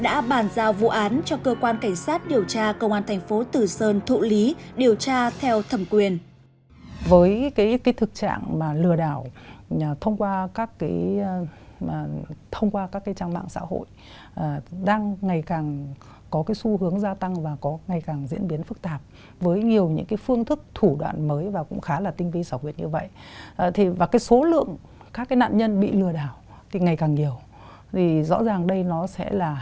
đã bàn giao vụ án cho cơ quan cảnh sát điều tra công an thành phố tử sơn thụ lý điều tra theo thẩm quyền